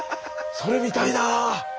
それ見たいなあ。